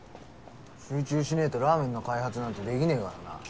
集中しねぇとラーメンの開発なんてできねぇからな。